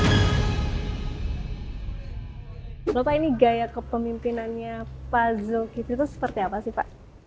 bapak ini gaya kepemimpinannya pak zulkifli itu seperti apa sih pak